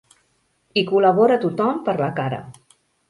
Hi col·labora tothom per la cara.